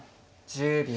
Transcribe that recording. １０秒。